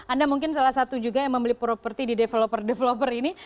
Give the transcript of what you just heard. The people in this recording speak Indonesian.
anda mungkin salah satu juga yang membeli properti di developer developer ini